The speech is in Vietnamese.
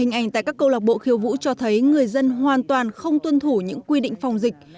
hình ảnh tại các câu lạc bộ khiêu vũ cho thấy người dân hoàn toàn không tuân thủ những quy định phòng dịch